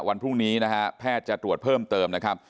วันพรุ่งนี้นะฮะแพทย์จะตรวจเพิ่มเติมนะครับ